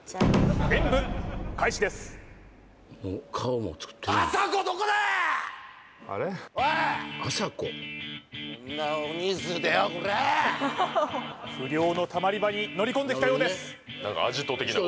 演武開始です不良のたまり場に乗り込んできたようです